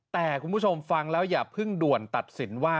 แต่คุณผู้ชมฟังแล้วอย่าเพิ่งด่วนตัดสินว่า